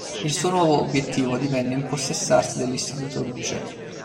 Il suo nuovo obiettivo divenne impossessarsi dell'Istituto Luce.